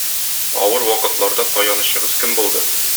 Авыр вакытларда таянычыгыз кем булды?